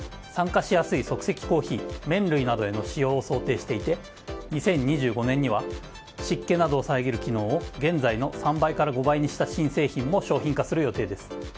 酸化しやすい即席コーヒー麺類などへの使用を想定していて２０２５年には湿気などを遮る機能を現在の３倍から５倍にした新製品も商品化する予定です。